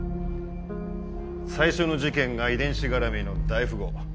最初の事件が遺伝子絡みの大富豪。